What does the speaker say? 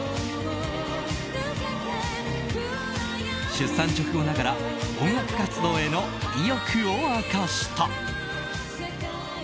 出産直後ながら音楽活動への意欲を明かした。